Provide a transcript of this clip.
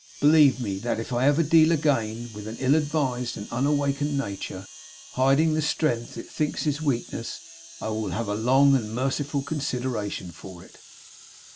Believe me, that if I ever deal again with an ill advised and unawakened nature, hiding the strength it thinks its weakness, I will have long and merciful consideration for it.